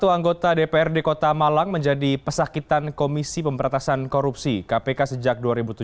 satu anggota dprd kota malang menjadi pesakitan komisi pemberatasan korupsi kpk sejak dua ribu tujuh belas